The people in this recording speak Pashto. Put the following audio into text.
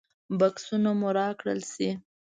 بکسونه مو راکړل شي.